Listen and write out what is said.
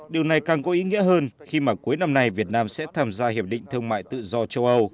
điều này càng có ý nghĩa hơn khi mà cuối năm nay việt nam sẽ tham gia hiệp định thương mại tự do châu âu